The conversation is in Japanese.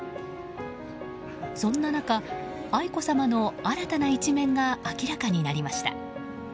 そんな中、愛子さまの新たな一面が明らかになりました。